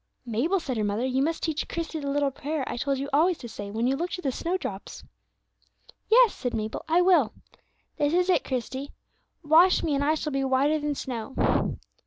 "Mabel," said her mother, "you must teach Christie the little prayer I told you always to say when you looked at the snowdrops." "Yes," said Mabel, "I will. This is it, Christie: 'Wash me, and I shall be whiter than snow.'"